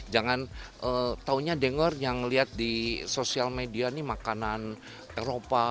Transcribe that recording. jangan taunya denger yang lihat di sosial media nih makanan eropa